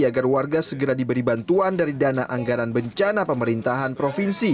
agar warga segera diberi bantuan dari dana anggaran bencana pemerintahan provinsi